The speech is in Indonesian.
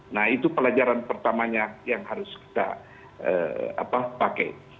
nah itu pelajaran pertamanya yang harus kita pakai